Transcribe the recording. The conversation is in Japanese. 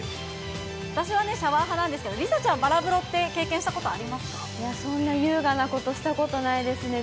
私はシャワー派なんですけど、梨紗ちゃん、バラ風呂って経験しいや、そんな優雅なこと、したことないですね。